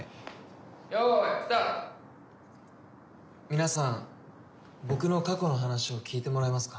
皆さん僕の過去の話を聞いてもらえますか。